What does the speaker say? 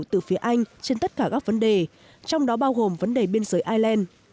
từ phía anh trên tất cả các vấn đề trong đó bao gồm vấn đề biên giới ireland